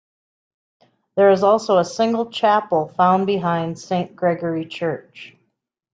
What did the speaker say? There is also a single chapel found behind Saint Gregory Church.